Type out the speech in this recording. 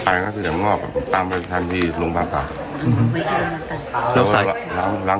เพราะว่าโรงงานไปกินขายแมงดา